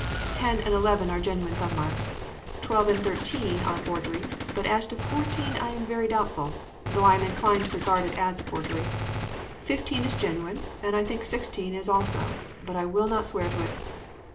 Ten and eleven are genuine thumb marks; twelve and thirteen are forgeries; but as to fourteen I am very doubtful, though I am inclined to regard it as a forgery. Fifteen is genuine, and I think sixteen is also; but I will not swear to it.